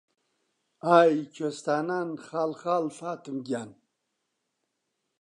ئای کوێستانان خاڵ خاڵ فاتم گیان